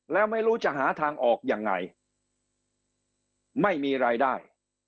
แล้วไม่รู้จะหาทางออกยังไงไม่มีรายได้